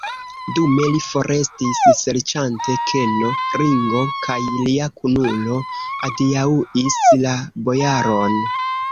Dume li forestis, serĉante keno, Ringo kaj lia kunulo adiaŭis la bojaron.